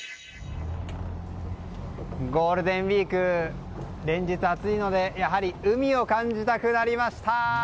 ゴールデンウィーク連日暑いのでやはり海を感じたくなりました！